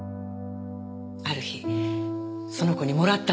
ある日その子にもらったんですって。